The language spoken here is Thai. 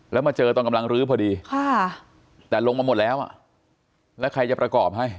แล้วมาเจอตอนกำลังรื้อพอดีแต่ลงมาหมดแล้วอ่ะแล้วใครจะประกอบให้